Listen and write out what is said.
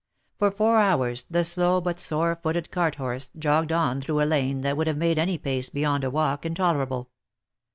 For four hours the slow but sore footed cart horse, jogged on through a lane, that would have made any pace beyond a walk, intolerable.